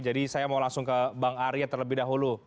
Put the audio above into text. jadi saya mau langsung ke bang arya terlebih dahulu